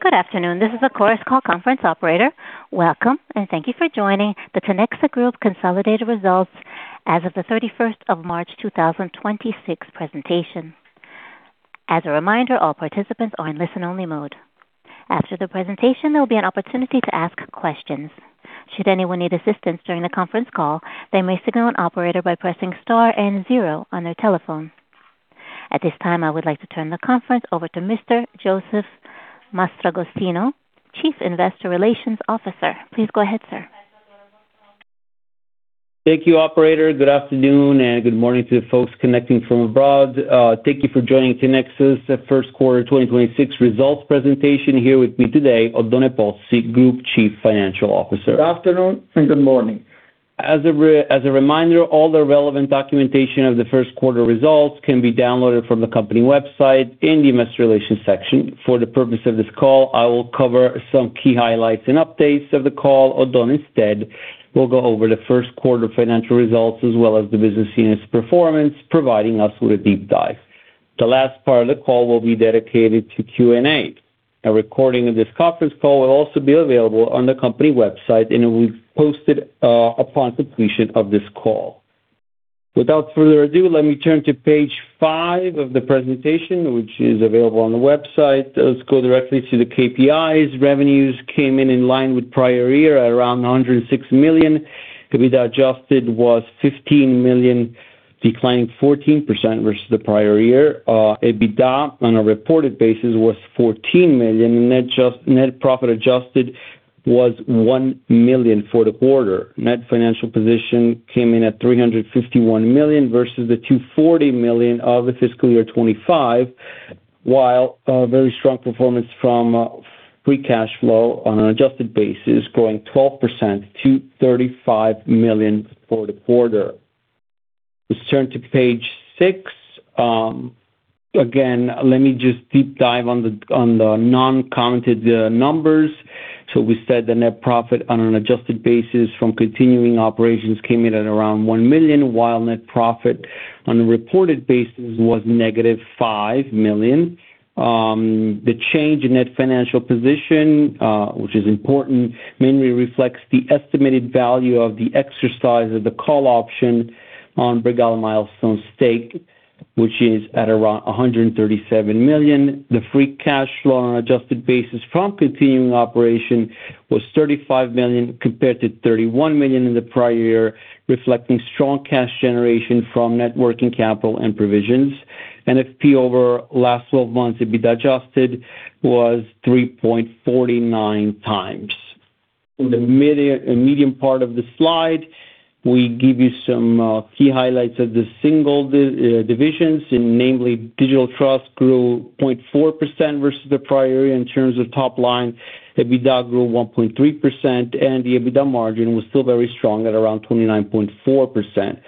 Good afternoon? This is, of course, call conference operator. Welcome and thank you for joining the Tinexta Group consolidated results as of the 31st of March 2026 presentation. As a reminder, all participants are in listen-only mode. After the presentation, there will be an opportunity to ask questions. Should anyone need assistance during the conference call, they may signal an operator by pressing star and zero on their telephone. At this time, I would like to turn the conference over to Mr. Josef Mastragostino, Chief Investor Relations Officer. Please go ahead, sir. Thank you, operator. Good afternoon and good morning to the folks connecting from abroad? Thank you for joining Tinexta's first quarter 2026 results presentation. Here with me today, Oddone Pozzi, Group Chief Financial Officer. Good afternoon and good morning? As a reminder, all the relevant documentation of the first quarter results can be downloaded from the company website in the investor relations section. For the purpose of this call, I will cover some key highlights and updates of the call. Oddone instead will go over the first quarter financial results as well as the business unit's performance, providing us with a deep dive. The last part of the call will be dedicated to Q&A. A recording of this conference call will also be available on the company website, and it will be posted upon completion of this call. Without further ado, let me turn to page five of the presentation, which is available on the website. Let's go directly to the KPIs. Revenues came in in line with prior year at around 106 million. EBITDA adjusted was 15 million, declining 14% versus the prior year. EBITDA on a reported basis was 14 million. Net profit adjusted was 1 million for the quarter. Net financial position came in at 351 million versus the 240 million of FY 2025, while a very strong performance from free cash flow on an adjusted basis, growing 12% to 35 million for the quarter. Let's turn to page six. Again, let me just deep dive on the non-counted numbers. We said the net profit on an adjusted basis from continuing operations came in at around 1 million, while net profit on a reported basis was -5 million. The change in net financial position, which is important, mainly reflects the estimated value of the exercise of the call option on Bregal Milestone's stake, which is at around 137 million. The free cash flow on an adjusted basis from continuing operation was 35 million compared to 31 million in the prior year, reflecting strong cash generation from net working capital and provisions. NFP over last twelve months, EBITDA adjusted, was 3.49x. In the medium part of the slide, we give you some key highlights of the single divisions. In namely, Digital Trust grew 0.4% versus the prior year in terms of top line. EBITDA grew 1.3%, and the EBITDA margin was still very strong at around 29.4%.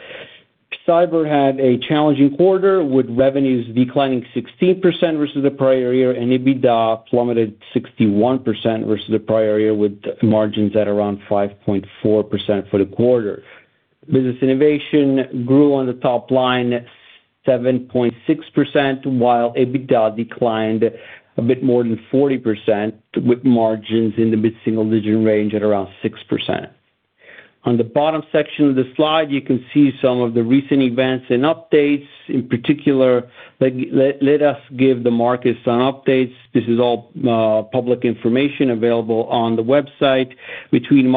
Cybersecurity had a challenging quarter with revenues declining 16% versus the prior year. EBITDA plummeted 61% versus the prior year, with margins at around 5.4% for the quarter. Business Innovation grew on the top line 7.6%. EBITDA declined a bit more than 40%, with margins in the mid-single-digit range at around 6%. On the bottom section of the slide, you can see some of the recent events and updates. In particular, let us give the markets some updates. This is all public information available on the website. Between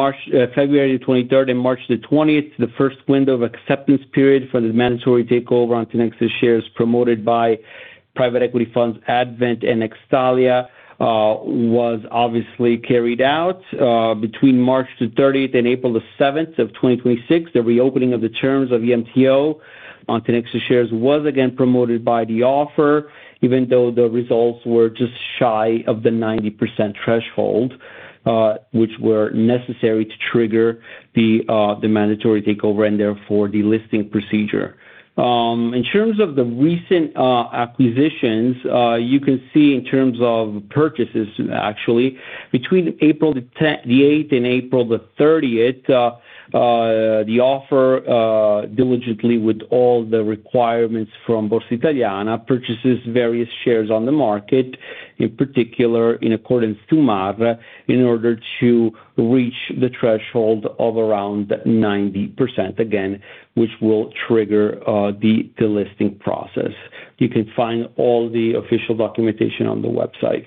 February 23 and March 20, the first window of acceptance period for the mandatory takeover on Tinexta shares promoted by private equity funds Advent and Nextalia was obviously carried out. Between March the 30th and April the 7th of 2026, the reopening of the terms of the MTO on Tinexta shares was again promoted by the offer, even though the results were just shy of the 90% threshold, which were necessary to trigger the mandatory takeover and therefore the listing procedure. In terms of the recent acquisitions, you can see in terms of purchases actually, between April the 8th and April the 30th, the offer diligently with all the requirements from Borsa Italiana, purchases various shares on the market, in particular in accordance to MAR, in order to reach the threshold of around 90% again, which will trigger the listing process. You can find all the official documentation on the website.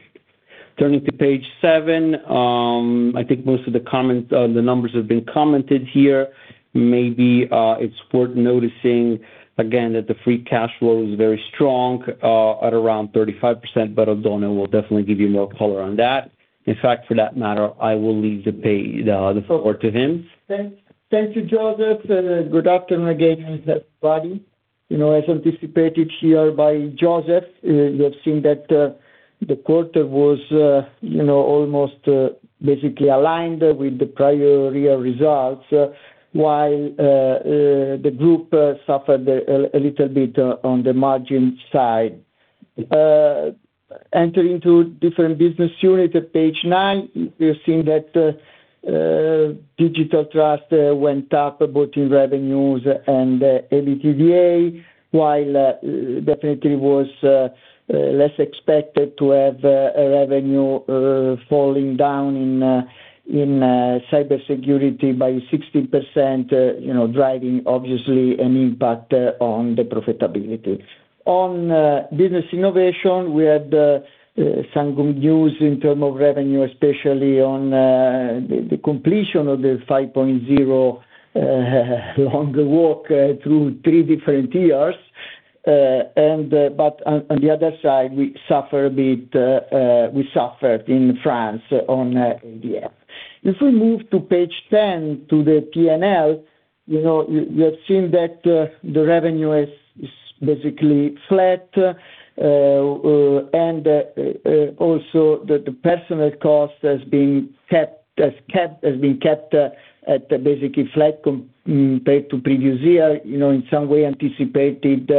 Turning to page seven, I think most of the comment, the numbers have been commented here. Maybe, it's worth noticing again that the free cash flow is very strong, at around 35%, but Oddone will definitely give you more color on that. In fact, for that matter, I will leave the floor to him. Thank you, Josef. Good afternoon again, everybody. You know, as anticipated here by Josef, you have seen that the quarter was, you know, almost basically aligned with the prior year results, while the group suffered a little bit on the margin side. Entering to different business unit at page nine, you're seeing that Digital Trust went up both in revenues and EBITDA, while definitely was less expected to have a revenue falling down in Cybersecurity by 60%, you know, driving obviously an impact on the profitability. On Business Innovation, we had some good news in term of revenue, especially on the completion of the 5.0 longer walk through three different years. On the other side, we suffer a bit, we suffered in France on [ADF]. If we move to page 10 to the P&L, you know, you have seen that the revenue is basically flat. Also the personal cost has been kept at basically flat compared to previous year, you know, in some way anticipated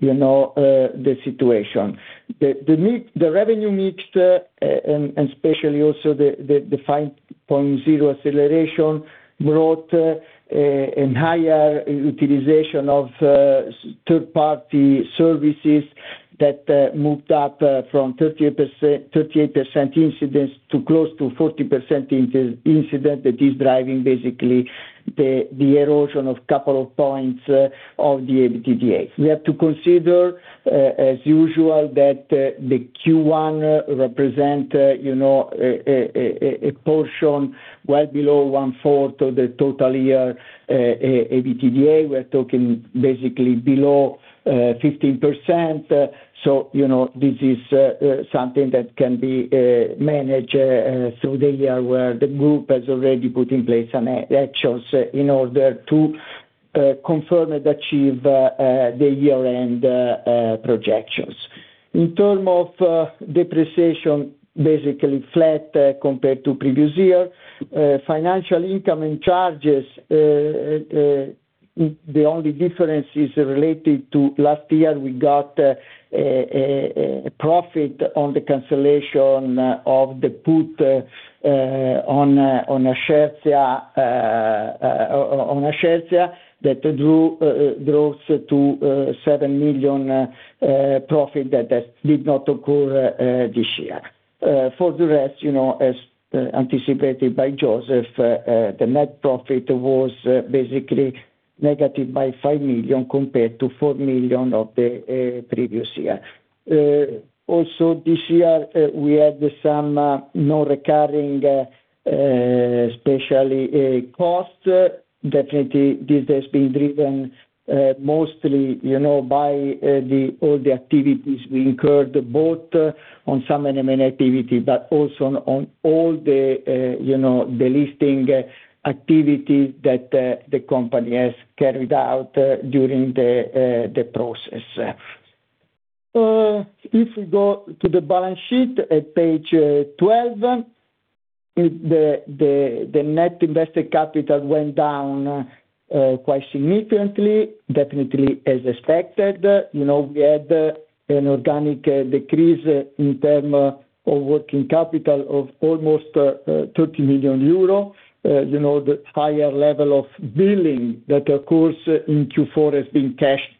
the situation. The revenue mix and especially also the 5.0 acceleration brought in higher utilization of third-party services that moved up from 38% incidence to close to 40% incidence that is driving basically the erosion of couple of points of the EBITDA. We have to consider, as usual that the Q1 represent, you know, a portion well below one-fourth of the total year EBITDA. We're talking basically below 15%. You know, this is something that can be managed through the year where the group has already put in place some actions in order to confirm and achieve the year-end projections. In term of depreciation, basically flat compared to previous year. Financial income and charges, the only difference is related to last year we got a profit on the cancellation of the put on Ascertia that drew, draws to 7 million profit that did not occur this year. For the rest, you know, as anticipated by Josef Mastragostino, the net profit was basically negative by 5 million compared to 4 million of the previous year. Also this year, we had some non-recurring especially costs. Definitely this has been driven mostly, you know, by all the activities we incurred, both on some M&A activity, but also on all the, you know, the listing activities that the company has carried out during the process. If we go to the balance sheet at page 12, the net invested capital went down quite significantly, definitely as expected. You know, we had an organic decrease in term of working capital of almost 30 million euro. You know, the higher level of billing that occurs in Q4 has been cashed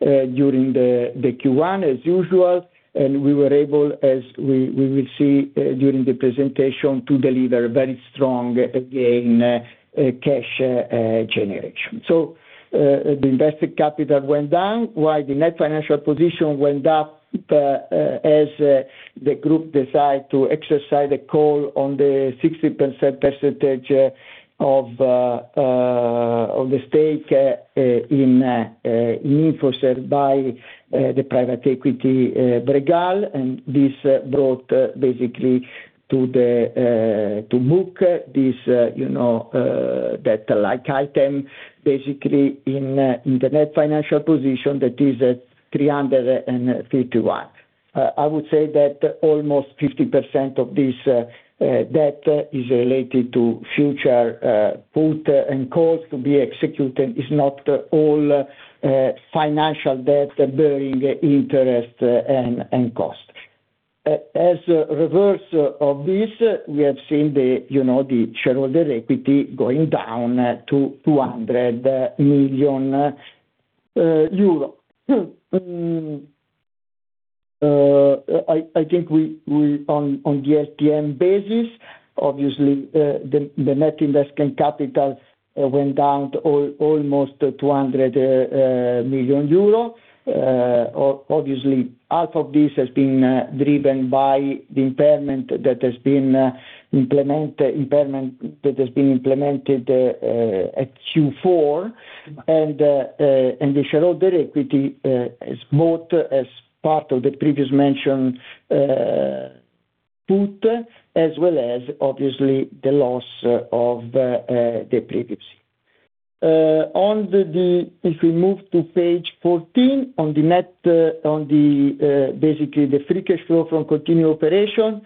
during Q1 as usual. We were able, as we will see during the presentation, to deliver very strong, again, cash generation. The invested capital went down while the Net Financial Position went up as the group decide to exercise a call on the 60% percentage of the stake in InfoCert by the private equity Bregal. This brought basically to book this, you know, that like item basically in the Net Financial Position that is at 351. I would say that almost 50% of this debt is related to future put and calls to be executed. It's not all financial debt bearing interest and cost. As a reverse of this, we have seen the shareholder equity going down to EUR 200 million. On the ATM basis, obviously, the net investing capital went down to almost 200 million euro. Obviously, half of this has been driven by the impairment that has been implemented at Q4. The shareholder equity is both as part of the previous mentioned put as well as obviously the loss of the previous. On the if we move to page 14, on the net, on the, basically the free cash flow from continued operation,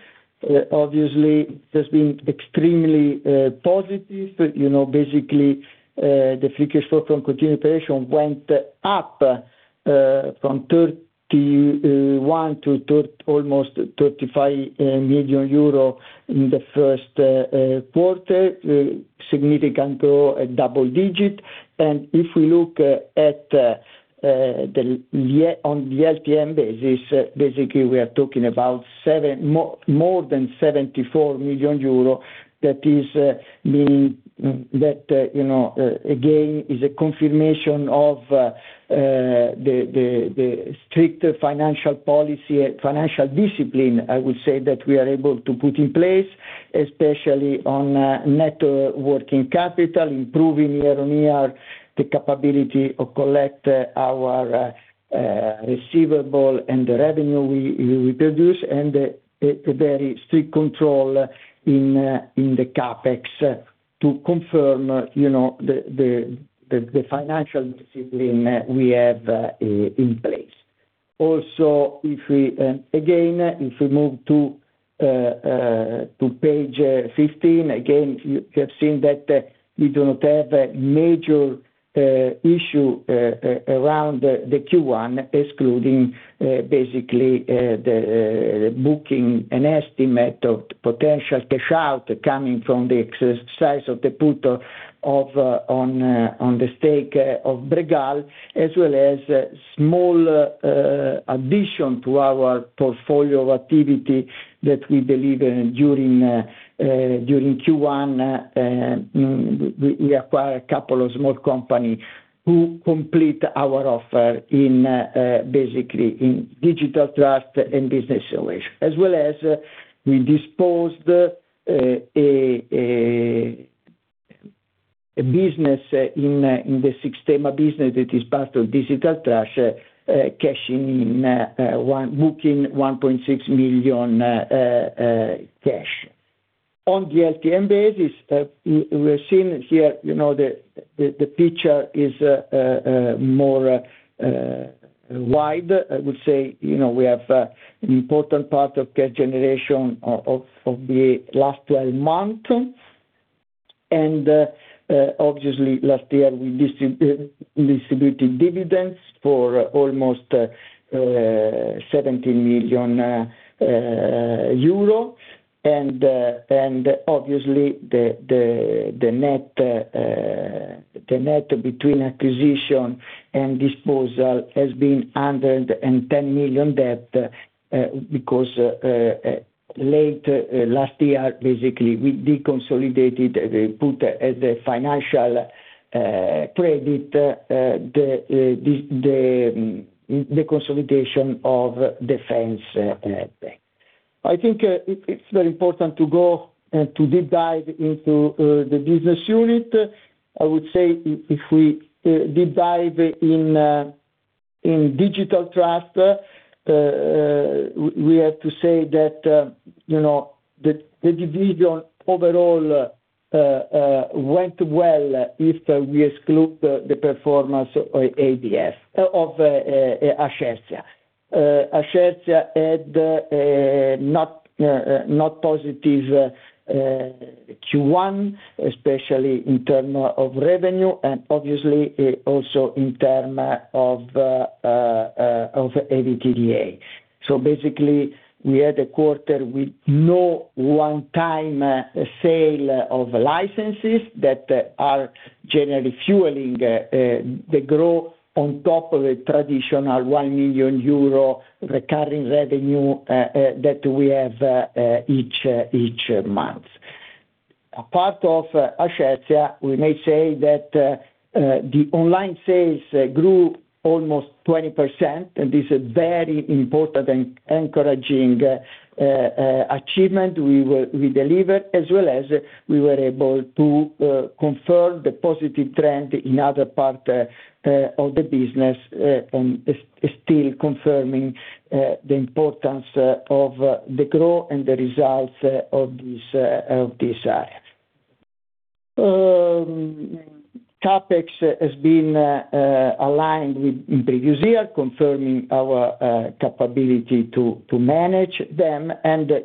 obviously has been extremely positive. You know, basically, the free cash flow from continued operation went up from 31 million to almost 35 million euro in the first quarter. Significant growth, double-digit. If we look on the LTM basis, basically we are talking about more than 74 million euro that is meaning that, you know, again, is a confirmation of the stricter financial policy and financial discipline, I would say, that we are able to put in place, especially on net working capital, improving year-on-year, the capability of collect our receivable and the revenue we produce and a very strict control in the CapEx to confirm, you know, the financial discipline that we have in place. If we again if we move to page 15 again you have seen that we do not have a major issue around the Q1 excluding basically the booking an estimate of potential cash out coming from the exercise of the put option on the stake of Bregal as well as small addition to our portfolio of activity that we believe during Q1 we acquire a couple of small company who complete our offer in basically in Digital Trust and Business Solutions. As well as we disposed a business in the Sixtema business that is part of Digital Trust cashing in booking 1.6 million cash. On the LTM basis, we're seeing here, you know, the picture is more wide. I would say, you know, we have an important part of cash generation of the last 12 months. Obviously last year we distributed dividends for almost 70 million euro. Obviously the net between acquisition and disposal has been under 10 million debt, because late last year, basically, we deconsolidated the put as a financial credit, this the consolidation of Defence Tech. I think it's very important to go to deep dive into the business unit. I would say if we deep dive in in Digital Trust we have to say that you know the division overall went well if we exclude the performance of Ascertia. Ascertia had not positive Q1 especially in terms of revenue and obviously also in terms of EBITDA. Basically we had a quarter with no one-time sale of licenses that are generally fueling the growth on top of a traditional 1 million euro recurring revenue that we have each month. Apart of Ascertia, we may say that the online sales grew almost 20%, and this is very important and encouraging achievement we delivered, as well as we were able to confirm the positive trend in other part of the business, still confirming the importance of the growth and the results of this of this area. CapEx has been aligned with previous year, confirming our capability to manage them.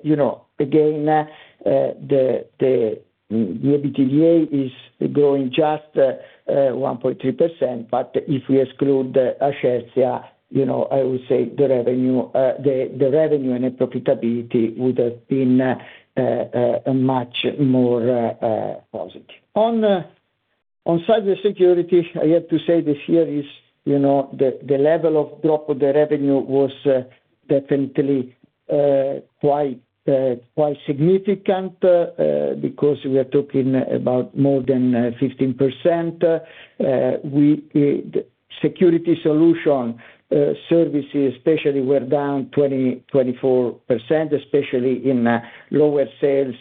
you know, again, the EBITDA is growing just 1.3%. But if we exclude Ascertia, you know, I would say the revenue the revenue and the profitability would have been much more positive. On Cybersecurity, I have to say this year is, you know, the level of drop of the revenue was definitely quite significant because we are talking about more than 15%. We Security Solution services especially were down 24% especially in lower sales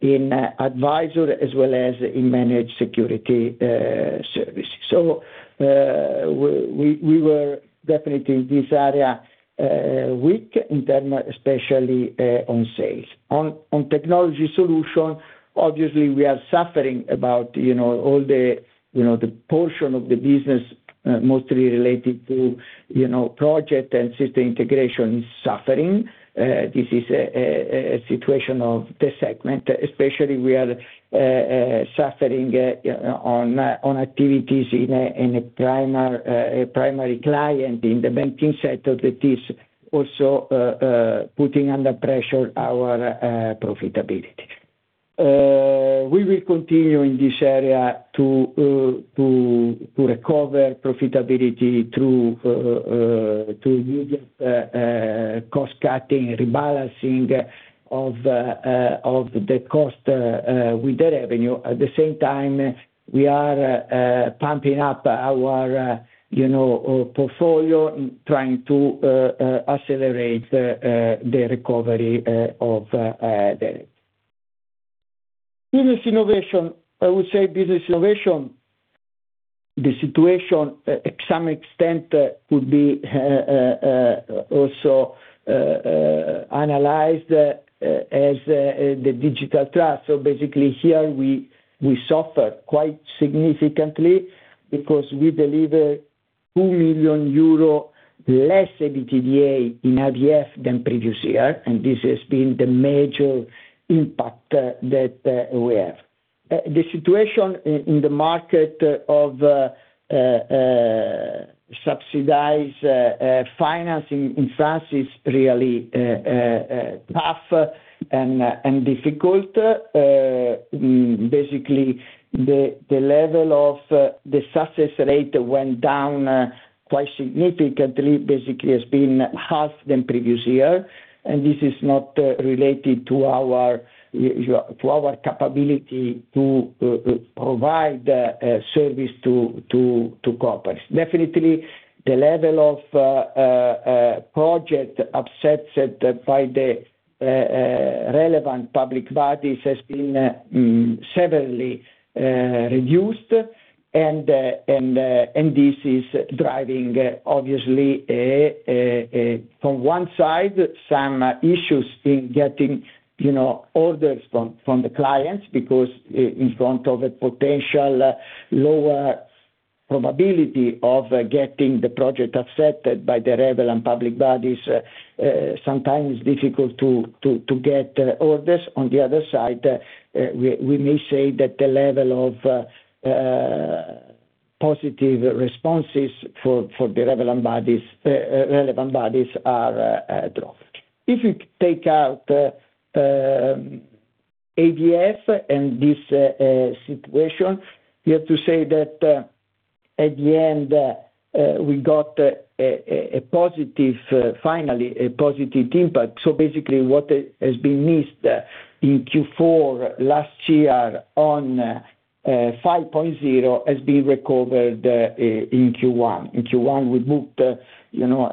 in advisor as well as in managed security services. We were definitely this area weak in term especially on sales. On Technology Solution obviously we are suffering about you know all the you know the portion of the business mostly related to you know project and system integration is suffering. This is a situation of the segment, especially we are suffering on activities in a primary client in the banking sector that is also putting under pressure our profitability. We will continue in this area to recover profitability through to build this cost cutting, rebalancing of the cost with the revenue. At the same time, we are pumping up our you know portfolio and trying to accelerate the recovery of the Business Innovation. I would say Business Innovation, the situation at some extent could be also analyzed as the Digital Trust. Basically here we suffer quite significantly because we deliver 2 million euro less EBITDA in ABF than previous year, and this has been the major impact that we have. The situation in the market of subsidized financing in France is really tough and difficult. Basically, the level of the success rate went down quite significantly. Basically, it's been half than previous year. This is not related to our capability to provide service to corporates. Definitely, the level of projects set by the relevant public bodies has been severely reduced. This is driving obviously from one side some issues in getting, you know, orders from the clients because in front of a potential lower probability of getting the project accepted by the relevant public bodies, sometimes difficult to get orders. On the other side, we may say that the level of positive responses for the relevant bodies are dropped. If you take out ADF and this situation, we have to say that at the end we got a positive, finally a positive impact. Basically what has been missed in Q4 last year on 5.0 has been recovered in Q1. In Q1, we booked, you know,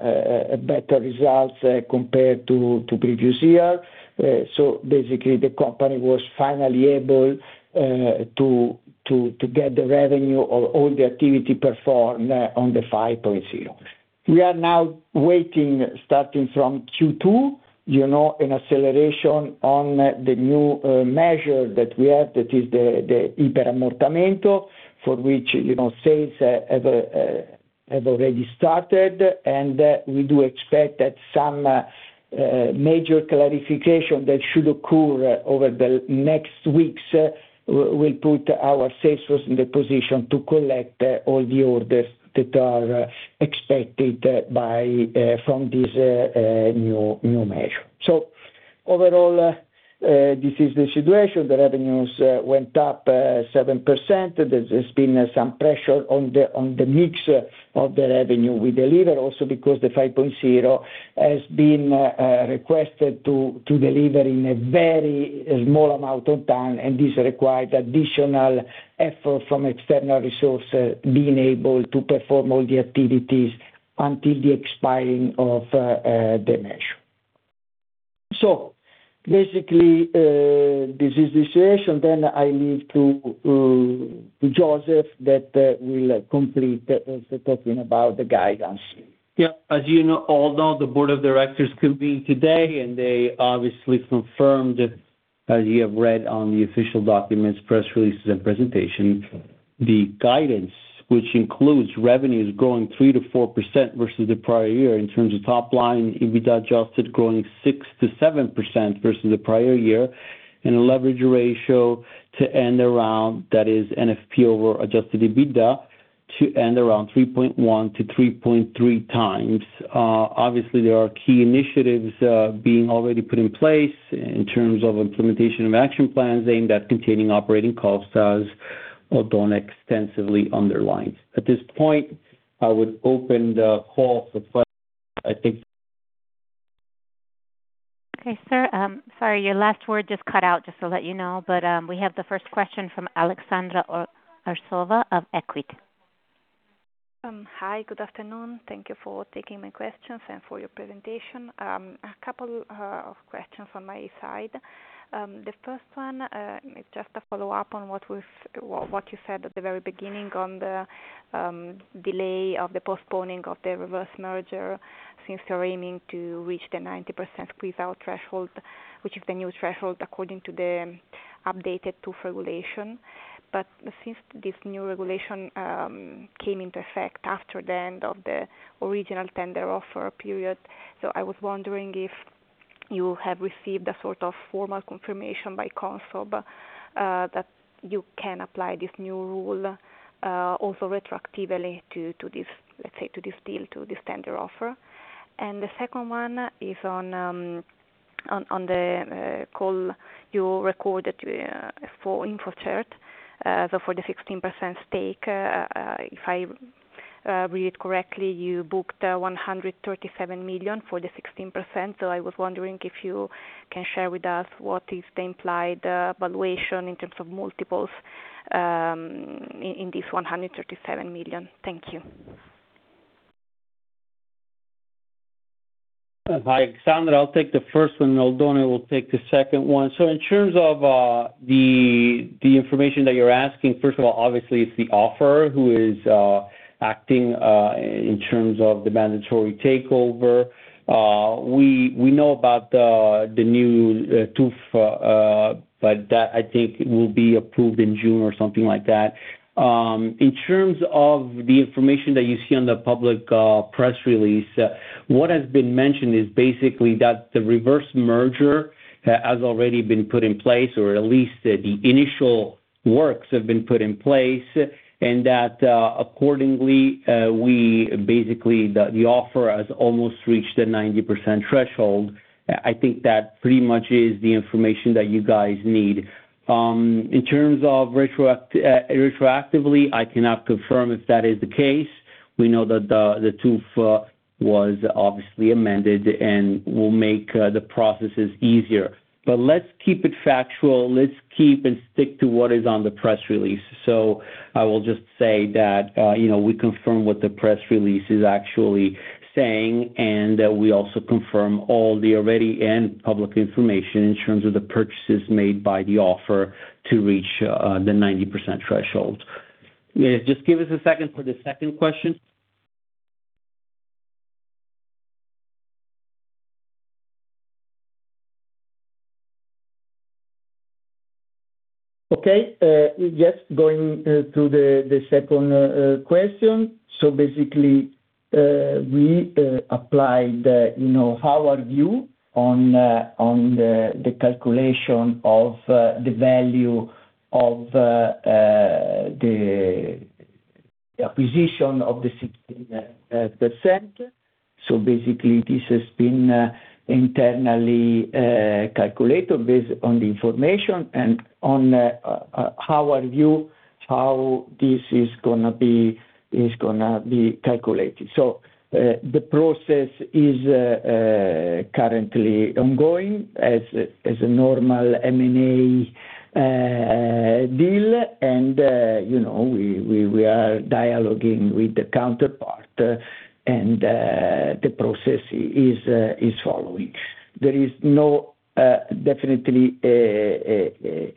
better results compared to previous year. Basically the company was finally able to get the revenue of all the activity performed on the 5.0. We are now waiting, starting from Q2, you know, an acceleration on the new measure that we have, that is the Iperammortamento, for which, you know, sales have already started. We do expect that some major clarification that should occur over the next weeks will put our sales force in the position to collect all the orders that are expected from this new measure. Overall this is the situation. The revenues went up 7%. There's been some pressure on the mix of the revenue we deliver also because the 5.0 has been requested to deliver in a very small amount of time, and this requires additional effort from external resources being able to perform all the activities until the expiring of the measure. Basically, this is the situation. I leave to Josef that will complete talking about the guidance. Yeah. As you know, although the board of directors could be today, and they obviously confirmed, as you have read on the official documents, press releases and presentation, the guidance, which includes revenues growing 3%-4% versus the prior year in terms of top line, EBITDA adjusted growing 6%-7% versus the prior year, and a leverage ratio to end around that is NFP over adjusted EBITDA to end around 3.1x-3.3x. Obviously, there are key initiatives, being already put in place in terms of implementation of action plans aimed at containing operating costs as well done extensively underlined. At this point, I would open the call for questions. I think Okay, sir, sorry, your last word just cut out, just to let you know. We have the first question from Aleksandra Arsova of Equita. Hi, good afternoon? Thank you for taking my questions and for your presentation. A couple of questions on my side. The first one is just a follow-up on what you said at the very beginning on the delay of the postponing of the reverse merger since you're aiming to reach the 90% pre-file threshold, which is the new threshold according to the updated TUF regulation. Since this new regulation came into effect after the end of the original tender offer period, I was wondering if you have received a sort of formal confirmation by Consob that you can apply this new rule also retroactively to this, let's say, to this deal, to this tender offer. The second one is on the call you recorded for InfoCert. For the 16% stake, if I read correctly, you booked 137 million for the 16%. I was wondering if you can share with us what is the implied valuation in terms of multiples in this 137 million. Thank you. Hi, Aleksandra. I'll take the first one. Oddone Pozzi will take the second one. In terms of the information that you're asking, first of all, obviously it's the offerer who is acting in terms of the mandatory takeover. We know about the new TUF, but that I think will be approved in June or something like that. In terms of the information that you see on the public press release, what has been mentioned is basically that the reverse merger has already been put in place, or at least the initial works have been put in place, and that accordingly we basically the offer has almost reached the 90% threshold. I think that pretty much is the information that you guys need. In terms of retroactively, I cannot confirm if that is the case. We know that TUF was obviously amended and will make the processes easier. Let's keep it factual. Let's keep and stick to what is on the press release. I will just say that, you know, we confirm what the press release is actually saying, and we also confirm all the already and public information in terms of the purchases made by the offer to reach the 90% threshold. Yeah, just give us a second for the second question. Okay. Yes, going to the second question. Basically, we applied, you know, our view on the calculation of the value of the acquisition of the 16%. Basically this has been internally calculated based on the information and on our view how this is gonna be calculated. The process is currently ongoing as a normal M&A deal. You know, we are dialoguing with the counterpart, and the process is following. There is no definitely. It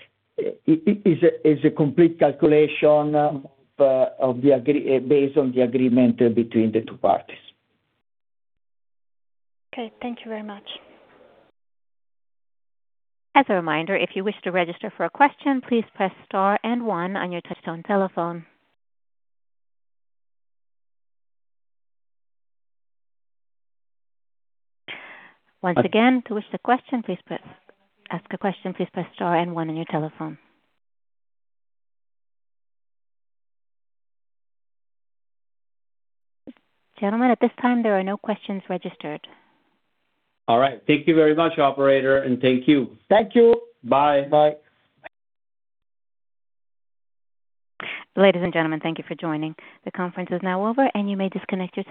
is a complete calculation of the agreement based on the agreement between the two parties. Okay. Thank you very much. As a reminder, if you wish to register for a question, please press star and one on your touchtone telephone. Once again, to wish a question, please press ask a question, please press star and one on your telephone. Gentlemen, at this time, there are no questions registered. All right. Thank you very much, operator, and thank you Thank you. Bye. Bye. Ladies and gentlemen, thank you for joining. The conference is now over, and you may disconnect your phones.